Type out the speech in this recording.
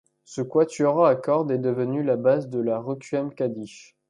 Ce quatuor à cordes est devenue la base de la Requiem Kaddish.